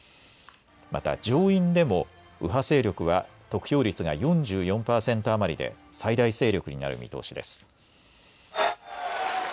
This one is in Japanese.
また上院でも右派勢力は得票率が４４％余りで最大勢力になる見通しです。